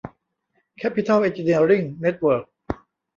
แคปปิทอล เอ็นจิเนียริ่ง เน็ตเวิร์ค